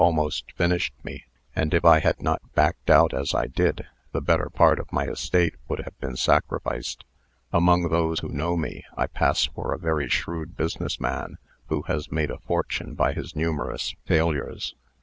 almost finished me; and, if I had not backed out as I did, the better part of my estate would have been sacrificed. Among those who know me, I pass for a very shrewd business man, who has made a fortune by his numerous failures.